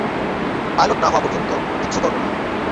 Pilot না হওয়া পর্যন্ত, কিচ্ছু করব না।